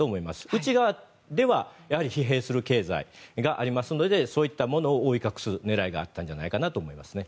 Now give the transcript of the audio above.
内側では疲弊する経済がありますのでそういったものを覆い隠す狙いがあったんじゃないかと思います。